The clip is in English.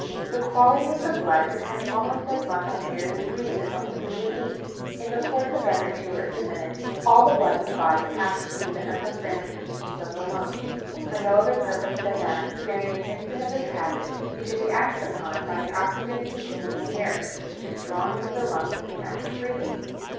The quality of the blood depends almost as much on the air we breathe as on the food we eat ; in the course of every two or three minutes, all the blood in the body passes through the endless ramifications of the lungs, for no other purpose than that, during the instant of its passage, it should be acted upon by the oxygen contained in the air which is drawn into the lungs in the act of breathing.